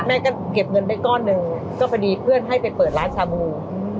แม่ก็เก็บเงินไปก้อนหนึ่งก็พอดีเพื่อนให้ไปเปิดร้านชาบู